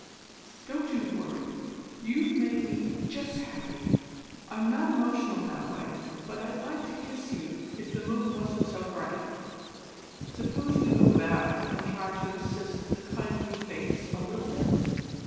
Don't you worry. You've made me just happy. I'm not emotional that way, but I'd like to kiss you if the moon wasn't so bright. Suppose we go back and try to assist the kindly Fates a little bit?"